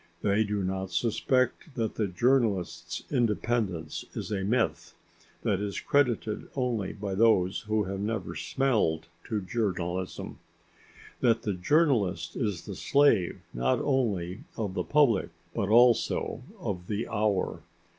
They do not suspect that the journalist's independence is a myth that is credited only by those who have never smelled to journalism. That the journalist is the slave not only of the public but also of the hour.